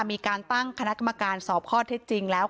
มีการตั้งคณะกรรมการสอบข้อเท็จจริงแล้ว